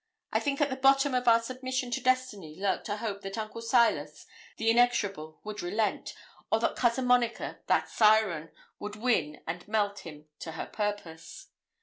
I think at the bottom of our submission to destiny lurked a hope that Uncle Silas, the inexorable, would relent, or that Cousin Monica, that siren, would win and melt him to her purpose.